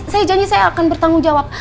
saya janji saya akan bertanggung jawab